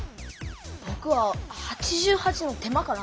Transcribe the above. ぼくは「８８の手間」かな。